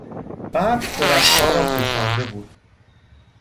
برف درختها را پوشانده بود.